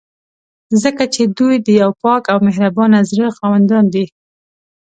ځکه چې دوی د یو پاک او مهربانه زړه خاوندان دي.